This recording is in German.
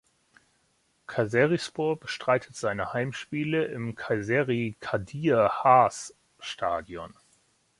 Kayserispor bestreitet seine Heimspiele im Kayseri-Kadir-Has-Stadion.